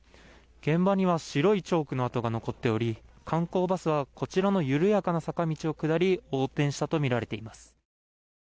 現場には白いチョークの跡が残っており観光バスはこちらの緩やかな坂道を下り横転したとみられています。